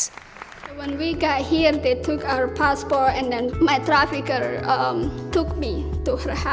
dan kemudian trafikernya menjemput saya ke rumahnya